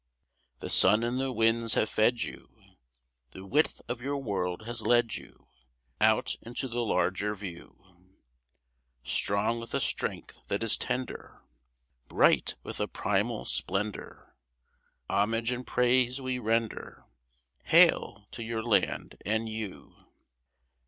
The sun and the winds have fed you; The width of your world has led you Out into the larger view; Strong with a strength that is tender, Bright with a primal splendour, Homage and praise we render— Hail to your land and you!